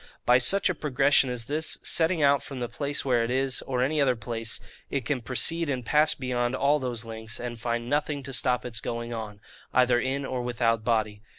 By such a progression as this, setting out from the place where it is, or any other place, it can proceed and pass beyond all those lengths, and find nothing to stop its going on, either in or without body.